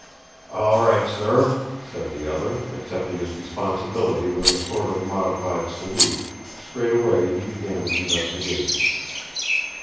"All right, sir," said the other, accepting his responsibility with a sort of modified salute; straightway he began his investigation.